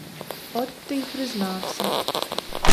От ти й признався.